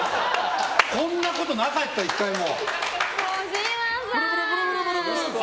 こんなことなかった、１回も。